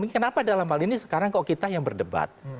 kenapa dalam hal ini sekarang kok kita yang berdebat